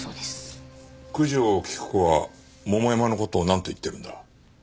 九条菊子は桃山の事をなんと言ってるんだ？